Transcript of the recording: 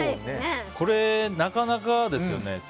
なかなかですよね。